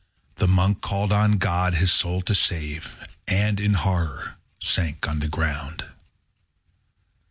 The Monk called on God his soul to save, And, in horror, sank on the ground.